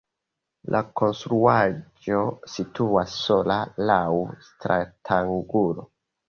La konstruaĵo situas sola laŭ stratangulo.